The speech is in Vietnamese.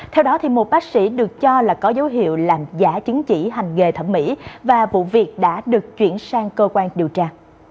theo đó một bác sĩ được cho là có dấu hiệu làm giả chứng chỉ hành nghề thẩm mỹ và vụ việc đã được chuyển sang cơ quan điều tra